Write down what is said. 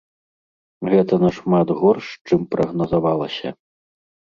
Гэта нашмат горш, чым прагназавалася.